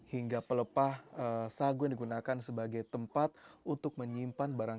hingga pelepah sagu yang digunakan sebagai tempat untuk menyimpan barang